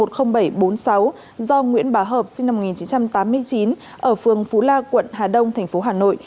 do nguyễn bá hợp sinh năm một nghìn chín trăm tám mươi chín ở phường phú la quận hà đông thành phố hà nội